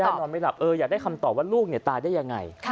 อยากได้คำตอบว่าลูกตายได้ยังไง